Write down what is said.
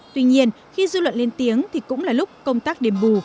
tuy nhiên khi dư luận lên tiếng thì cũng là lúc công tác đền bù